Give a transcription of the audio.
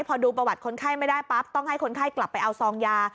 พอดูประวัติคนไข้ไม่ได้ปั๊บต้องให้คนไข้กลับไปเอาซองยา